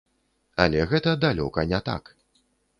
Але гэта далёка не так.